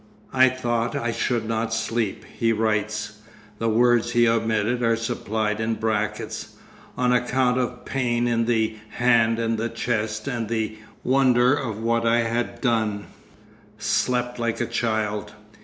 'I thought I should not sleep,' he writes—the words he omitted are supplied in brackets—(on account of) 'pain in (the) hand and chest and (the) wonder of what I had done.... Slept like a child.